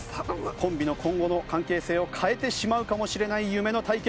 コンビの今後の関係性を変えてしまうかもしれない夢の対決。